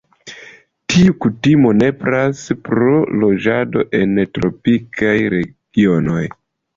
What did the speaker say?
Tiu kutimo nepras pro loĝado en tropikaj regionoj.